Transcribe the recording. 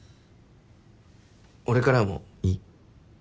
俺からもいい？